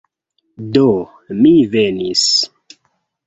Do, mi venis...